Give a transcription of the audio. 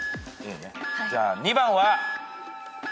じゃあ２番は。